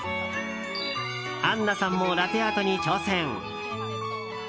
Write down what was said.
杏菜さんもラテアートに挑戦。